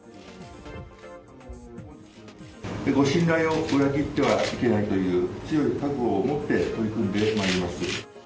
ご信頼を裏切ってはいけないという強い覚悟を持って取り組んでまいります。